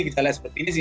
kita lihat seperti ini